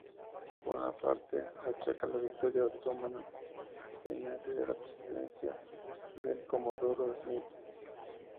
Bonaparte achaca la victoria otomana en Acre a la presencia del comodoro Smith.